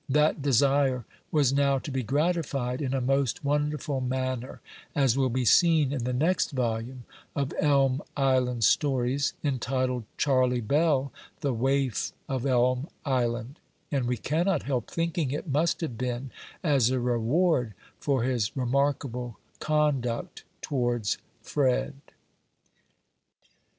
That desire was now to be gratified in a most wonderful manner, as will be seen in the next volume of "Elm Island Stories," entitled CHARLIE BELL, THE WAIF OF ELM ISLAND; and we cannot help thinking it must have been as a reward for his remarkable conduct towards Fred.